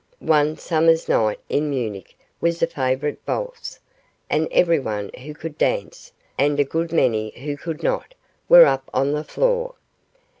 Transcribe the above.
'One summer's night in Munich' was a favourite valse, and everyone who could dance, and a good many who could not, were up on the floor.